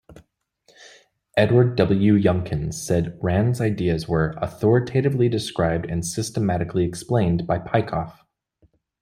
Edward W. Younkins said Rand's ideas were "authoritatively described and systematically explained" by Peikoff.